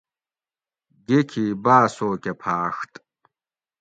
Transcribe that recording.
گیکھی باۤسو کہ پھاۤڛت